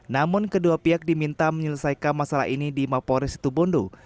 namun kedua pihak diminta menyelesaikan masalah ini di mapolis situbondo